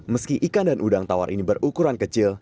meski ikan dan udang tawar ini berukuran kecil